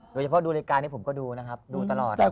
โดยเฉพาะดูรายการนี้ผมก็ดูนะครับดูตลอด